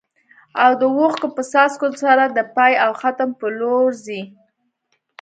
او د اوښکو په څاڅکو سره د پای او ختم په لور ځي.